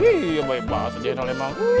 iya baik banget sajiannya memang